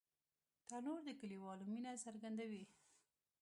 تنور د کلیوالو مینه څرګندوي